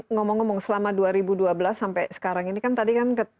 ngomong ngomong selama dua ribu dua belas sampai sekarang ini kan tadi kan